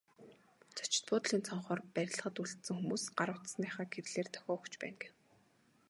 Зочид буудлын цонхоор барилгад үлдсэн хүмүүс гар утасныхаа гэрлээр дохио өгч байна гэв.